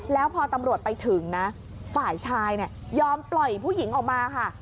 แล้วพอตำรวจไปถึงนะฝ่ายชายยอมปล่อยผู้หญิงออกมาค่ะ